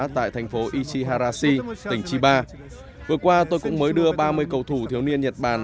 tại thành phố ichiharasi tỉnh chiba vừa qua tôi cũng mới đưa ba mươi cầu thủ thiếu niên nhật bản